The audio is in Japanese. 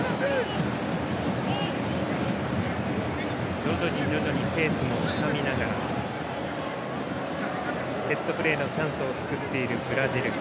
徐々にペースをつかみながらセットプレーのチャンスを作っているブラジル。